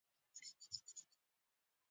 مرګ یو امتیاز و چې ما یې غوښتنه کوله